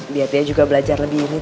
biar dia juga belajar lebih unik